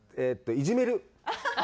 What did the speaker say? いじめる？